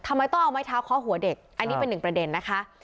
ทำไมต้องเอาไม้เท้าเคาะหัวเด็กอันนี้เป็นหนึ่งประเด็นนะคะ